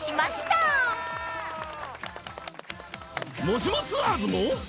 『もしもツアーズ』も。